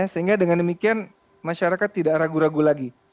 sehingga dengan demikian masyarakat tidak ragu ragu lagi